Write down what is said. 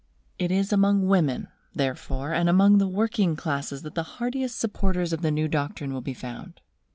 It is among women, therefore, and among the working classes that the heartiest supporters of the new doctrine will be found.